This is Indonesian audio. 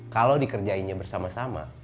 kalau dikerjainya bersama sama